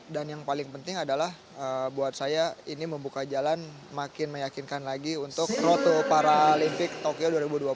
dan yang paling penting adalah buat saya ini membuka jalan makin meyakinkan lagi untuk roto paralympic tokyo dua ribu dua puluh